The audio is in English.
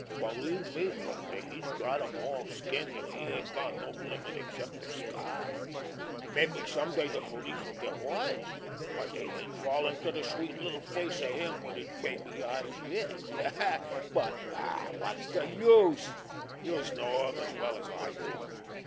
Believe me, Bundy! He's got 'em all skinned, an' he ain't got no limit except de sky. Mabbe some day de police'll get wise, but dey ain't fallen to de sweet little face of him wid his baby eyes yet. But, aw, say, wot's de use! Youse know him as well as I do.